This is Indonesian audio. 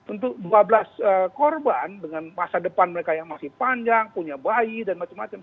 untuk dua belas korban dengan masa depan mereka yang masih panjang punya bayi dan macam macam